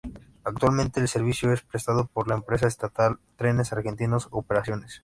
Actualmente el servicio es prestado por la empresa estatal Trenes Argentinos Operaciones.